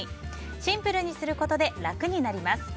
シンプルにすることで楽になります。